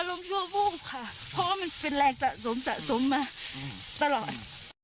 อารมณ์ที่มัอบูกค่ะเพราะว่ามันเป็นแรงตระสมตระสมมาตลอด